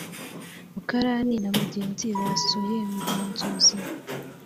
mukarani na mugenzi basuye mugenzuzi